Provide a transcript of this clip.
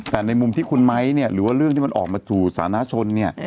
แต่ในมุมที่คุณไม้เนี่ยหรือว่าเรื่องที่มันออกมาสู่สาธารณชนเนี่ย